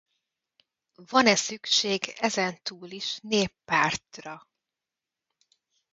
Van e szükség ezentúl is néppártra?